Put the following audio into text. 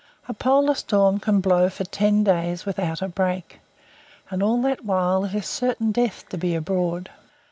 A Polar storm can blow for ten days without a break, and all that while it is certain death to be abroad.